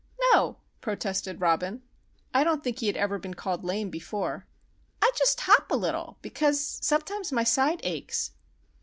"No," protested Robin (I don't think he had ever been called lame, before), "I just hop a little, because sometimes my side aches."